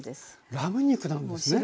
ラム肉なんですね。